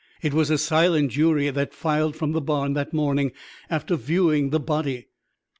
It was a silent jury that filed from the barn that morning after viewing the body.